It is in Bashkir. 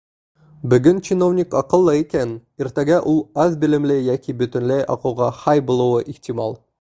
Бөгөн чиновник аҡыллы икән, иртәгә ул аҙ белемле йәки бөтөнләй аҡылға һай булыуы ихтимал.